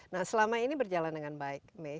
nah selama ini berjalan dengan baik may